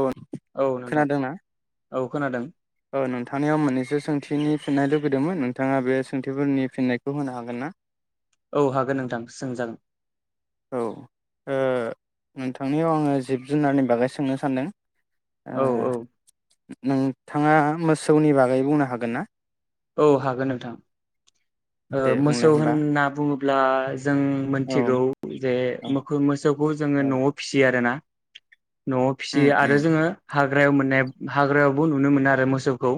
औ औ नोंथां खोनादोंना? औ खोनादों। औ नोंथांनियाव मोननैसो सोंथिनि फिन्नाय लुुबैदोंमोन नोंथाङा बे सोंथिफोरनि फिन्नायखौ होनो हागोन ना? औ हागोन नोंथां सोंजागोन। औ ओ नोंथांनियाव आङो जिब जुनारनि बागै सोंनो सानदों। ओ औ औ। नोंथाङा मोसौनि बागै बुंनो हागोन ना। औ हागोन नोंथां। ओ दे बुंलाय मोसौ होमबा होनना बुङो ब्ला ज जों औ मोनथिगौ जे मोखो मोसौखौ औ जोङो नआव फिसियो आरोना। नआव उम फिसियो आरो उम जोङो हाग्रायाव मोननाय हाग्रायाव। नुनो मोनो आरो मोसौखौ।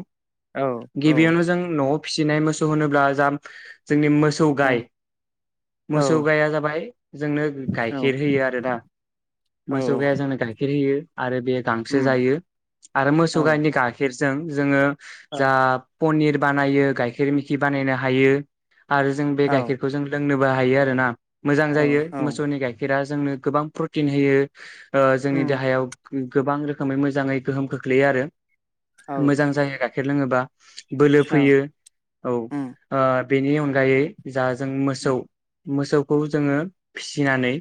औ औ गिबियावनो जों नआव। फिसिनाय मोसौ होनोब्ला जाम जोंनि मोसौ गाय औ मोसौ गाइया जाबाय जोंनो औ गाइखेर होयोआरोना मोसौ गाइआ जोंनो गाइखेर होयो आरो बे उम गांसोजायो आरो मोसौ औ गायनि गाइखेरज जों जोङो औ जाब पनिर बानायो गाइखेर मेखि बानायना। हायो आरोजों बे औ गाइखेरखौ जों लों नोबो हायो आरोना। औ मोजांजायो औ मोसौनि गाइखेरा स जोंनो गोबां प्रटिन होयो ओह जोंनि उम देहायाव गोबांरोखोमै मोजाङै गोहोम खोख्लैयोआरो। औ मोजांजायो गायख गायखेर लोङोबा। बोलोफैयो औ। उम ओह बेनि अनगायै जा जों मोसौ। मोसौखौ जोङो फिसिनानै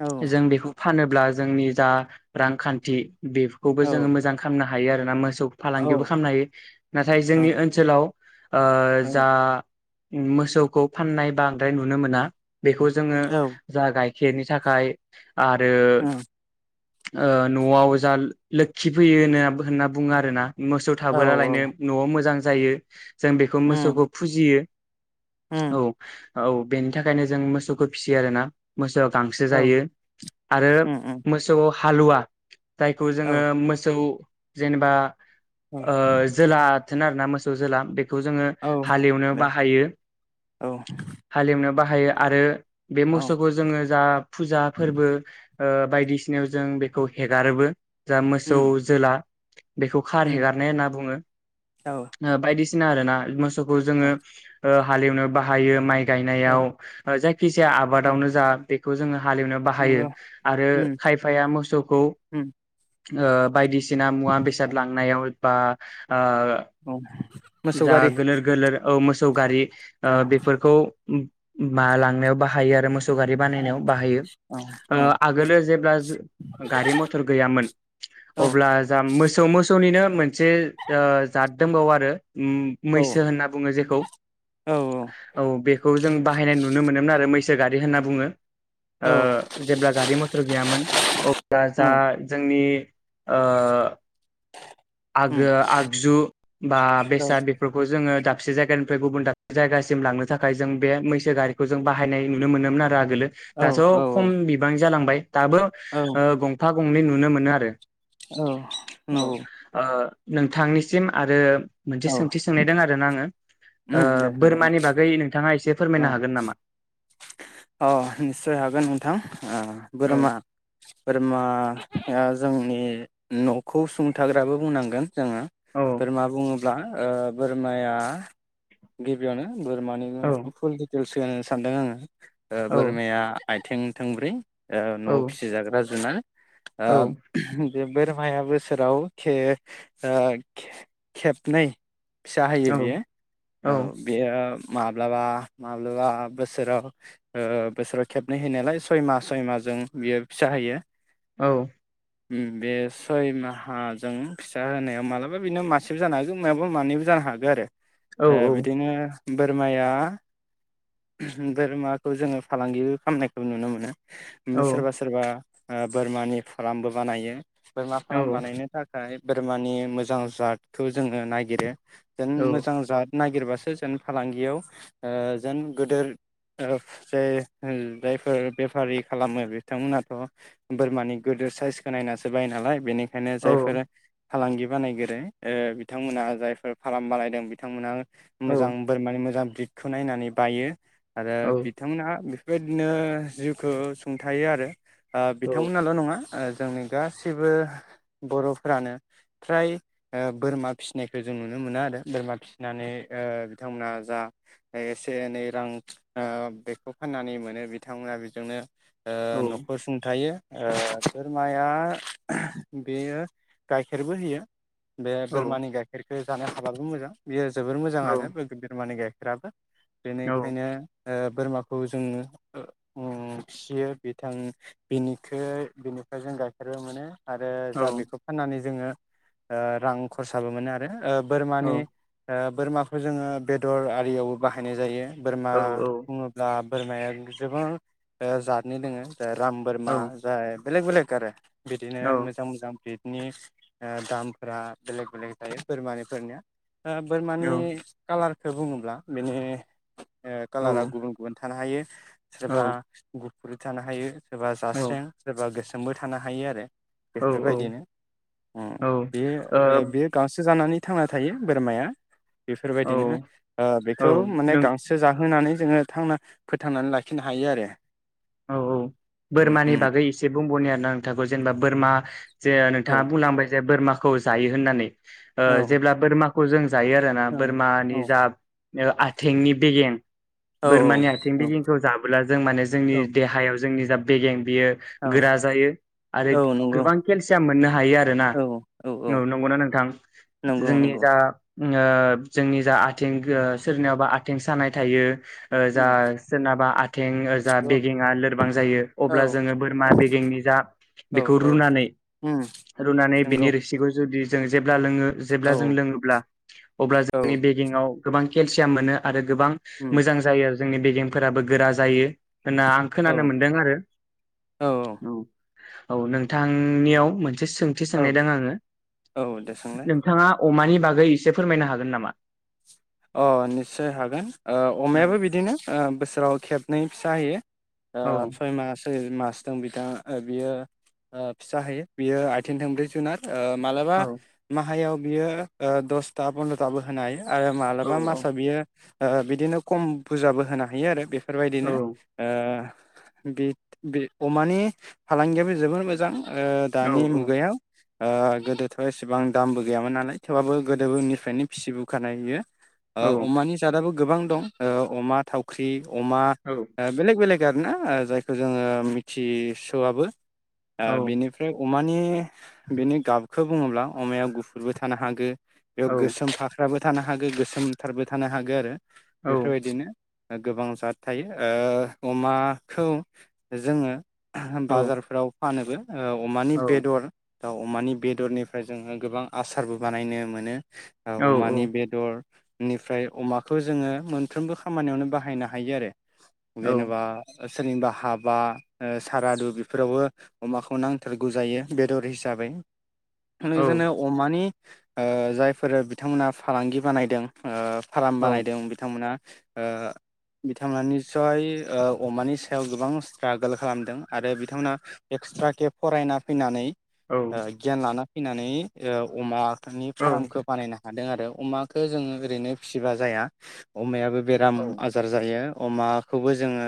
औ जों बेखौ फानोब्ला जोंनि जा रांखान्थि बेफोखौबो जोङो औ मोजांखालामना हायो आरोना मोस सौ फालांगिबो खालामनोहायो नाथाय जोंनि ओनसोलाव ओ जा उम मोसौखौ फाननाय बांद्राय नुनोमोना। बेखौ जोङो औ जागाय सेनि थाखाय आरो औ ओह नवाव जा लोखिफैयोहोनो होनना बुङो आरोना। मोसौ औ थाबोलायनो नआव मोजां जायो। जों बेखौ उम मोसौखौ यो उम औ- औ बेनि थाखायनो जों मोसौखौ फिसियो आरो ना मोसौआ गांसो औ जायो आरो उम उम मोसौआव हालुवा। जायखौ औ जोङो मोसौ जेनेबा औ ओ जोला आथोन आरोना मोसौ जोला बे बे खौ जोङो औ एवनो दे बाहायो औ हालेव नो बाहायो आरो बे औ मोसौखौ जोङो जा फुजा फोरबो ओ बायदिसिनायाव जों बेखौ हेगारोबो। जा मोसौ उम जोला बेखौ खार उम हेगारनाय होनना बुङो औ ओ बायदिसिना नो आरोना खौ जोङो औ हालेवनो बाहायो माइ औ गायनायाव जायखि जाया उम आबादावनो जा खौ जोङो हालेवनो बाहायो नंगौ आरो उम खायफाया मोसौखौ उम ओ बायदिसि ना मुवा बेसाद लांनायाव बा ओ अ मोसौ जा गारि गोलोर गोलोर औ मोसौ गारि ओ औ बेफोरखौ उम मा लांनायाव बाहायो आरो मोसौ सौ गारि बानायनायाव बाहायो औ ओ उम आगोलो जेब्ला जो गारि मथर गैयामोन औ अब्ला जा मोसौ मो मोसौनिनो मोनसे ओ जाद दंबावो आरो। उम मैसो बुङो जेखौ। औ औ बेखौ जों बाहायनाय नुनो मोनोमोन आरो मै सो गारि होनना बुङो। औ ओ जेब्ला गारि मटर गैयामोन अब्ला जा उम जोंनि ओ आगोआ आगजु बा औ बेसाद बेफोरखौ जोङो दाबसे जायगानिफ्राय गुबुन दाबसे जायगासिम लांनो थाखाय जों बे मैसो गारिखौ जों बाहायनाय नुनो मोनोमोन आरो आग गैला औ दाथ औ खम बिबां जालांबाय। दाबो औ ओ गंफां गंनै नुनो मोनो आरो। औ नंगौ आ नोंथांनिसिम आरो मोनसे औ सों खोनादो ना आङो? ओ उम दे बोरमानि बागै नोंथाङा एसे औ फोरमायनो हागोन नामा? अ निस्सय हागोन नोंथां। ओ औ बोरमा बोरमा ओ जोंनि नखौ सुंथाग्राबो बुंनांगोन। जोङो औ बोरमा बुङो अब्ला ओ बोरमाया गिबियावनो बोरमानि औ [unintelligible] [unintelligible] सानदों आङो ओ औ बोरमाया आइथिं थोंब्रै ओ औ न'आव फिसिजाग्रा जुनार औ ओ बे बोरमाया बोसोराव खे ओ खे खेबनै फिसा होयो औ बियो औ बेयो माब्लाबा माब्लाबा बोसोराव ओ बोसोराव खेबनै हैनायालाय सय माह सय माह जों बियो फिसा होयो औ उम बे सय माहाजों फिसा होनायाव मालाबा बिनो मासेबो जानो हागो मायावबा मानैबो जानो हागो आरो औ ओ बिदिनो बोरमाया बोरमाखौ जोङो फालांगि खामनायखौ नुनो मोनो औ सोरबा सोरबा बोरमानि फारामबो बानायो बोरमा फाराम बानायनो थाख खाय बोरमानि मोजां जादखौ जोङो नागिरो [unintelligible] मोजां जाद नागिरबासो जेन फालांगियाव ओ जेन गोदोर ओ जे उम जायफोर बेफारि खालामो बिथांमोनाथ' बोरमानि गोदोर साइजखौ नायनासो बायो नालाय बेनि खायनो जायफोरा फालांगि बानायगोरि बिथांमोना जायफोर फाराम बानायदों बिथांमोना औ मोजां बोरमानि मोजां गिदखौ नायनानै बायो आरो औ बिथांमोनहा बेबायदिनो जिउखौ सुंथायो आरो ओ औ बिथांमोनाल' नङा ओ जोंनि गासिबो बर'फ्रानो फ्राय बोरमा फिसिनायखौ जों नुनो मोनो आरो बोरमा फिसिनानै ओ बिथांमोना जा एसे एनै रां ओ बेखौ फाननानै मोनो बिथांमोना बेजोंनो ओ औ नख'र सुंथायो ओ बोरमाया बेयो गाइखेरबो होयो बे औ बोरमानि गाइखेर खो जानो हाबाबो मोजां बेयो जोबोर मोजां औ आरो बोरमानि गाइ खेराबो औ बेनिखायनो बोरमाखौ जों ओं फियो बिथां बिनिखो बिनिफ्राय जों गाइखेरबो मानो। आरो औ जा बेखौ फाननानै जोङो। रां खरसाबो मोनो आरो। ओ औ बोरमानि ओ। बोरमाखो जोङो बेदर आरियावबो बाहायनाय जायो। बोरमा। औ बङोब्ला। बोरमाया जबां ओ जादनि दोङो। ओ राम औ बोरमा जाय बेलेग बेलग गारो। बिदिनो मोजां मोजां [unintelligible] नि ओ दामफोरा बेलेग बेलेग थायो बोरमानिफोरनिया। ओ औ बोरमानि कालार खो बुङोब्ला बेनि ओ कालारा गुबुन गुबुन थानो हायो। औ सोरबा गु [unintelligible] थानो हायो। एबा औ जास्रें सोरबा गोसो मबो थानो हायो आरो। बेफोरबायदिनो उम बे ओ बेयो गांसो जानानै। थांना थायो बोरमाया। बेफोरबायदिनो ओ बेखौ माने नों गांसो जा होनानै जोङो थांना फोथांनानै लाखिनो हायो आरो। औ औ उम बोरमानि उम बागै एसे बुंबावनि आरो ना नोंथाखौ जेनेबा बोरमा जे औ नोंथाङा बुंलांबाय जे बोरमाखौ जायो होननानै ओ औ जेब्ला बोरमाखौ जों जायो आरोना औ बोरमानि औ जा ओ आथिंनि बेगें बोरमानि आथिं बिगिंखौ जाबोला जों माने जोंनि जोंनि जा बेगें बेयो औ औ गोरा जायो आरो औ नंगौ गोबां केलसियाम मोननो हायो आरोना औ औ औ न-नंगौना नोंथां नंगौ जोंनि नंगौ जा उम ओ जोंनि जा आथिं ओ सोरनियावबा आथिं सानाय थायो ओ जा उम सोरनाबा आथें ओ जा नंगौ बे थिङा लोरबां जायो औ अब्ला जोङो बोरमा औ बेगेंनि जा औ बेखौ औ रुनानै उम रुनानै नंगौ बेनि रोसिखौ जुदि जों जेब्ला लोङो जेब्ला जों औ लोङोब्ला अब्ला औ जोंनि बेगेंआव गोबां केलसियाम मोनो आरो गोबां उम मोजां जायो आरो। जोंनि बेगेेंफोराबो गोरा जायो। होनना आं औ खोनानो मोनदों आरो औ। औ नोंथांनियाव मोन थि सोंथि औ सोंनाय दों आङो औ दे सोंलाय नोंथाङा अमानि बागै एसे फोरमायनो हागोन नामा? अ निस्सय हागोन ओ औ अमायाबो बिदिनो ओ बोसोराव खेब नै फिसा होयो। ओ औ सयमास सयमास बिथाङा ओ बियो फिसा होयो बियो आथिं थोंब्रै जुनार ओ मालाबा औ माहायाव बियो ओ दसथा पन्द्र थाबो होनो हायो आरो औ बा मासा बियो ओ बिदिनो खम बुरजाबो होनो हायो आरो बे फोरबायदिनो ओ बे-बे अमानि फालांगियाबो जोबोर मोजां ओ औ दानि मुगायाव ओ गोदोथ' एसेबां दामबो गैयामोन नालाय थेवबाबो गोदोबो उनिफ्रायनो फिसि बोखानाय इयो। ओ औ अमानि जादाबो गोबां दं ओ अमा थावख्रि, अमा ओ बेलेग बेलग गारोना जायखौ जोङो मिथिस'आबो। ओ औ बेनिफ्राय अमानि बेनि गाबखौ बुङोब्ला अमाया गुफुरबो थानो हागो बेयाव औ गोसोम फाख्राबो थानो हागो गोसोम थारबो थानो हागो आरो औ बेफोरबायदिनो गोबां जाद थायो ओ अमाखौ जोङो बाजारफोराव फानोबो। ओ अमानि औ बेदर दाउ अमानि बेदरनिफ्राय जोङो गोबां आसारबो बानायनो मोनो। औ अमानि बेदर बेनिफ्राय अमाखौ जोङो मोनफ्रोमबो खामानियावनो बाहायनो हायो आरो जेनेबा ओ सोरनिबा हाबा ओ सारादु बेफोरावबो अमाखौ नांथारगौ जायो बेदर हिसाबै। [unintelligible] अमानि ओ जायफोरो बिथांमोनहा फालांगि बानायदों। ओ फार्म औ बानायदों बिथांमोना। ओ बिथांमोना निसय ओ अमानि सायाव गोबां स्ट्रागोल खालामदों आरो बिथांमोनहा एक्सट्राके फरायना फैनानै ओ गियान लाना फैनानै ओ अमा बिथांनि फार्मखौ बानायना हादों आरो अमाखो जोङो गोद ओरैनो फिसिबा जाया अमायाबो बेराम आजार जायो। अमाखौबो जोङो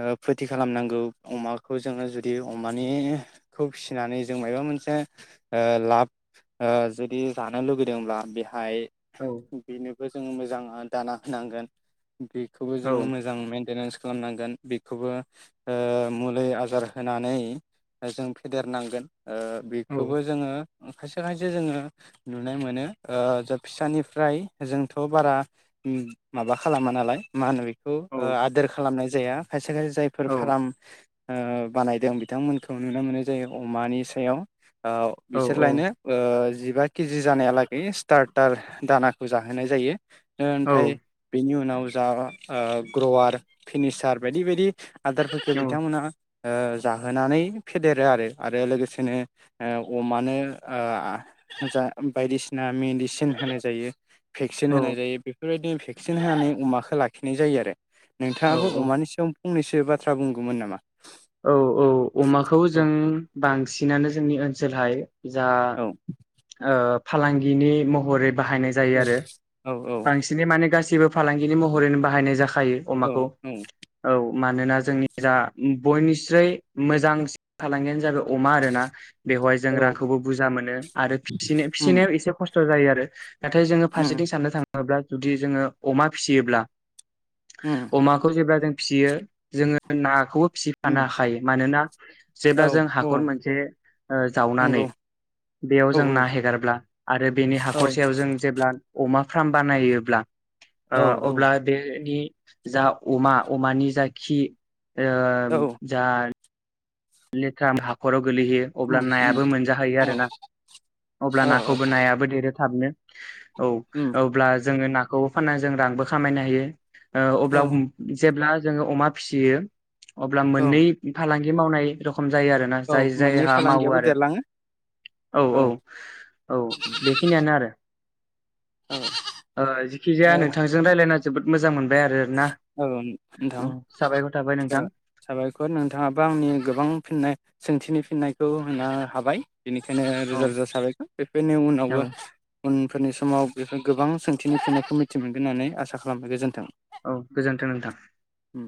ओ फोथि खालामनांगौ अमाखौ जोङो जुदि अमानिखौ फिसिनानै जों माबा मोनसे ओ लाब ओ जुदि जानो लुगैदोंब्ला बेहाय औ बेनोबो जों मोजां ओ दाना होनांगोन। बेखौबो जोङो मोजां मेनटेनेन्स खालामनांगोन बेखौबो ओ मुलै आजार होनानै ओ जों फेदेरनांगोन। ओ बेखौबो जोङो उम खायसे खायसे जोङो नुनाय मोनो ओ जोब फिसानिफ्राय जोंथ बारा उम माबा खालामा नालाय मा होनो बेख खौ ओ आदोर खालामनाय। जाया खायसे खायसे जायफोर फाराम ओ बानायदों बिथांमोनखौ नुनो मोननाय जायो अमानि सायाव औ बिसोरलायनो ओ जिबा केजि जानायालागै स्टार्टार दाना खौ जाहोनाय जायो। औ ओनफ्राय बेनि उनाव जागा ओ ग्रवार फिनिसार बायदि बायदि। आदारफोरखो औ बिथांमोना। ओ जाहोनानै फेदेरो आरो आरो लोगोसेनो ओ अमानो ओ आ जा बायदिसिना मेडिसिन होनाय जायो। भेक्सिन औ होनाय जायो बेफोरबायदि। भेक्सिन होनानै अमाखौ लाखिनाय जायो आरो। औ नोंथाङाबो अमानि सायाव फंनैसो बाथ्रा बुंगौमोन नामा? औ औ अमाखौ औ जों बांसिनानो जोंनि ओन सोलहाय जा औ ओ फालांगिनि महरै। बाहायनाय जायो औ आरो औ बांसिनै माने गासि सिबो फालांगिनि महरैनो बाहायनाय जाखा खायो औ अमाखौ औ। मानोना जोंनि जा बयनिस्रै मोजांसिन फालांगियानो जाबाय अमा आरोना। बेवहाय जों रांखौबो बुरजा मोनो आरो फिसि उम फिसिनायाव एसे खस थ जायो आरो। नाथाय जोङो उम फारसेथिं साननो थाङो ङोब्ला जुदि जोङो अमा फिसियोब्ला उम अमाखौ जेब्ला जों फिसियो जोङो नाखौबो। खानो उम हाखायो मानोना औ जेब्ला जों हाखर मोनसे ओ नंगौ जावनानै बेयाव औ जों ना हेगारब्ला आरो बेनि औ हाखरसेयाव जों जेब्ला अमा फार्म बानायोब्ला आ औ उम उम अब्ला देनि जा अमा अमानि जा खि। औ ओ [unintelligible] [unintelligible] हाखराव गोलैहैयो अब्ला नायाबो मोनजाहैयो आरो ना अब्ला नाखौबो नायाबो देरो थाबनो। औ उम अब्ला जोङो ना खौबो फानना जों रांबो खामायनो हायो। ओ अब्ला औ जेब्ला जोङो अमा फिसियो अब्ला मोननै फालां गि मावनाय खम जायो आरोना औ जाय मोननै जायहा मावो फालांगियाबो आरो देरलाङो औ औ औ बेखिनियानो आरो ओ ओ जेखिजाया नोंथांजों रायलायना जोबोद मोजां मोनबाय आरो ना औ नोंथां औ साबायखर थाबाय नोंथां ओ साबायखर नोंथाङाबो आंनि गोबां फिननाय सोंथिनि फिननायखौ होनो हाबाय। बेनिखायनो औ रोजा रोजा साबायगोन बेफोरनि औ उनावबो उनफोरनि समाव बेफोर गोबां सोंथिनि फिननायखौ मिथि मोनगोन होननानै आसा खालामबाय गोजोन्थों। औ गोजोनथों नोंथां उम